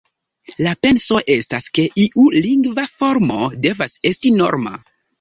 La penso estas, ke iu lingva formo devas esti norma.